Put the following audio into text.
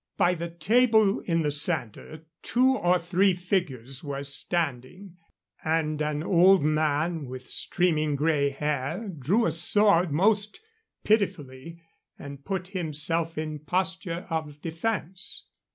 By the table in the center two or three figures were standing, and an old man with streaming gray hair drew a sword most pitifully and put himself in posture of defense.